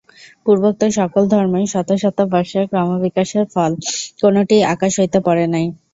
পূর্বোক্ত সকল ধর্মই শত শত বর্ষের ক্রমবিকাশের ফল, কোনটিই আকাশ হইতে পড়ে নাই।